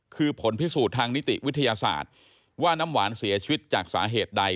คือผลพิสูจน์ทางนิติวิทยาศาสตร์ว่าน้ำหวานเสียชีวิตจากสาเหตุใด